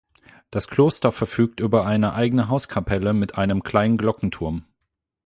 Das Kloster verfügt über eine eigene Hauskapelle mit einem kleinen Glockenturm.